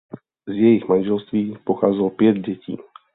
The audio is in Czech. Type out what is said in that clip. Z jejich manželství pocházelo pět dětí.